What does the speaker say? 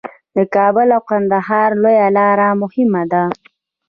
د کابل او کندهار لویه لار مهمه ده